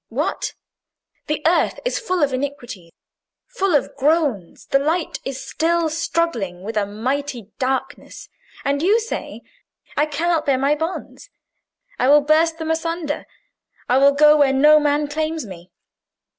What! the earth is full of iniquity—full of groans—the light is still struggling with a mighty darkness, and you say, 'I cannot bear my bonds; I will burst them asunder; I will go where no man claims me'?